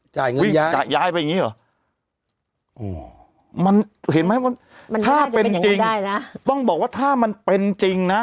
จ่ายเงินย้ายอ๋อมันเห็นไหมว่าถ้าเป็นจริงต้องบอกว่าถ้ามันเป็นจริงนะ